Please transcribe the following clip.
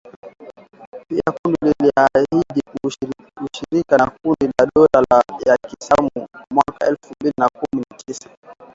Pia kundi liliahidi ushirika na kundi la dola ya kiislamu mwaka elfu mbili na kumi na tisa